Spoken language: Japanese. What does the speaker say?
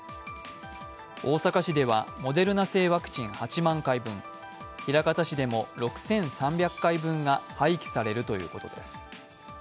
大阪市ではモデルナ製ワクチン８万回分枚方市でも６３００回分が廃棄されるということです。